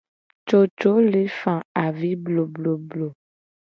Coco le fa avi blobloblo.